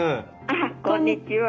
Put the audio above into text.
あっこんにちは。